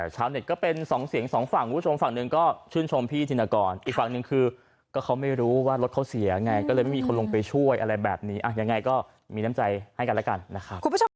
ชาวเน็ตก็เป็นสองเสียงสองฝั่งคุณผู้ชมฝั่งหนึ่งก็ชื่นชมพี่ธินกรอีกฝั่งหนึ่งคือก็เขาไม่รู้ว่ารถเขาเสียไงก็เลยไม่มีคนลงไปช่วยอะไรแบบนี้ยังไงก็มีน้ำใจให้กันแล้วกันนะครับ